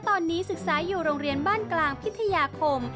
ตอนนี้ศึกษาอยู่โรงเรียนบ้านกลางพิทยาคม